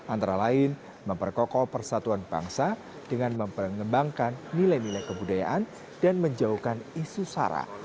antara lain memperkokoh persatuan bangsa dengan memperkembangkan nilai nilai kebudayaan dan menjauhkan isu sara